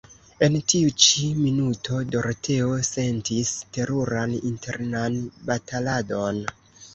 En tiu ĉi minuto Doroteo sentis teruran internan bataladon.